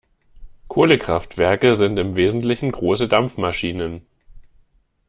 Kohlekraftwerke sind im Wesentlichen große Dampfmaschinen.